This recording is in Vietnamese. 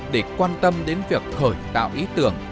để quan tâm đến việc khởi tạo ý tưởng